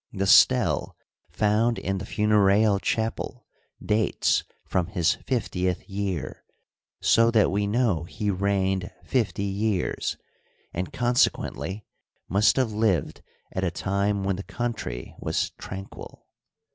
The stele found in the funereal chapel dates from his fiftieth year, so that we know he reigned fifty years, and consequently must have lived at a time when the country was tranquil.